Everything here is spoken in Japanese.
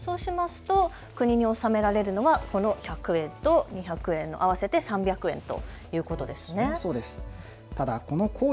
国に納められるのは今の１００円と２００円の合わせて３００円ということですね。